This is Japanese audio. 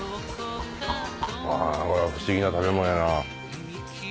あこれは不思議な食べ物やな。